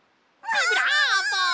ビブラーボ！